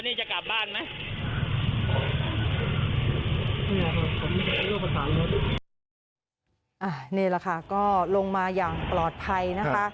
นี่แหละค่ะก็ลงมาอย่างปลอดภัยนะคะ